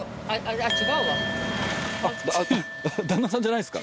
旦那さんじゃないんですか。